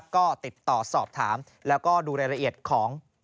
ก็ติดต่อสอบถามแล้วก็ดูรายละเอียดของ